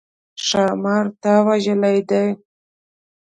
ښامار تا وژلی دی؟